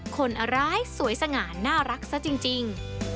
คนร้ายสวยสง่านน่ารักซะจริง